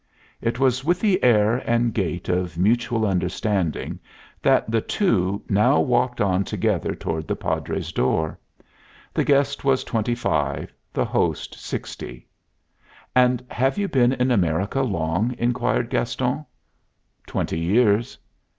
It was with the air and gait of mutual understanding that the two now walked on together toward the Padre's door. The guest was twenty five, the host sixty. "And have you been in America long?" inquired Gaston. "Twenty years."